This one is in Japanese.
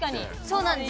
そうなんです。